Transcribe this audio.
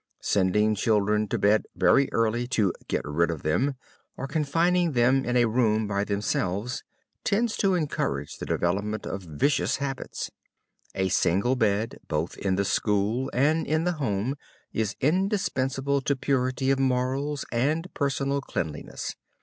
Sending children to bed very early, to "get rid of them," or confining them in a room by themselves, tends to encourage the development of vicious habits. A single bed, both in the school and in the home, is indispensable to purity of morals and personal cleanliness.